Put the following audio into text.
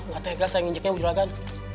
gak tegas saya nginjeknya bu juragan